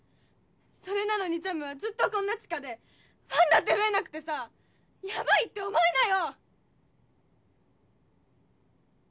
それなのにちゃむはずっとこんな地下でファンだって増えなくてさやばいって思いなよ！